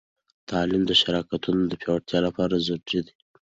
تعلیم د شراکتونو د پیاوړتیا لپاره ضروری دی.